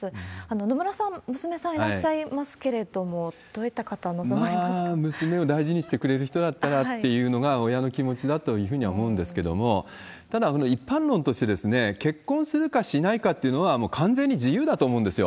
野村さん、娘さんいらっしゃいますけれども、どういった方、望ままあ、娘を大事にしてくれる人だったらというのが、親の気持ちだというふうには思うんですけれども、ただ、一般論として、結婚するかしないかっていうのは、もう完全に自由だと思うんですよ。